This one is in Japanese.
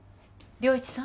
良一さん！？